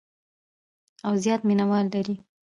او زیات مینوال لري.